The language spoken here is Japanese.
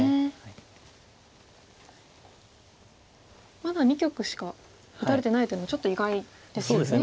まだ２局しか打たれてないというのもちょっと意外ですよね。